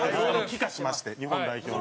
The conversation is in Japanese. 帰化しまして日本代表に。